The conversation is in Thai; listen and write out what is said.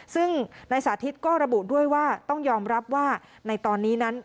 ซึ่งนายสาธิตก็ระบุด้วยว่าต้องยอมรับว่าในตอนนี้นั้น